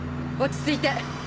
落ち着いて！